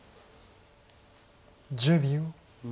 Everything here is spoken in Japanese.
１０秒。